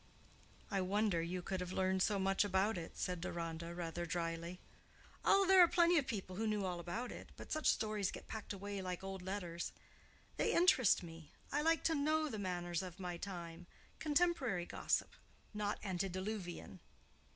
"I wonder you could have learned so much about it," said Deronda, rather drily. "Oh, there are plenty of people who knew all about it; but such stories get packed away like old letters. They interest me. I like to know the manners of my time—contemporary gossip, not antediluvian.